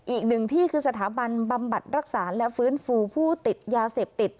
อีกหนึ่งที่คือสถาบันบำบัดรักษาและฟื้นฟูผู้ติดยาเสพติด